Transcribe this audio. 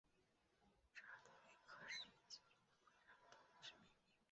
查德威克是以其祖父詹姆斯之名命名。